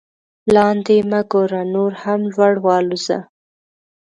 لاندې مه ګوره نور هم لوړ والوځه.